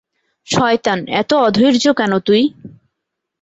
শয়তান, এতো অধৈর্য কেন তুই?